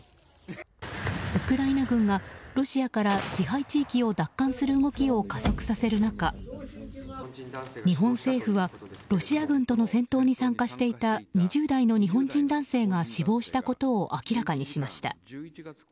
ウクライナ軍がロシアから支配地域を奪還する動きを加速させる中日本政府はロシア軍との戦闘に参加していた２０代の日本人男性が死亡したことを明らかにしました。